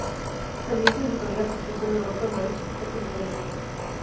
Al inicio de su carrera participó en Europa en varios espectáculos de revista.